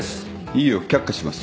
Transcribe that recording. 異議を却下します。